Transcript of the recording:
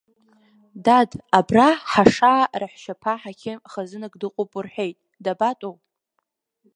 Дад, абра Ҳашаа раҳәшьаԥа ҳақьым хазынак дыҟоуп рҳәеит, дабатәоу?